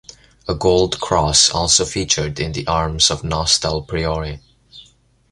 A gold cross also featured in the arms of Nostell Priory.